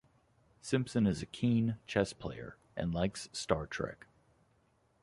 Simpson is a keen chess player, and likes Star Trek.